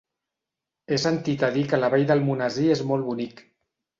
He sentit a dir que la Vall d'Almonesir és molt bonic.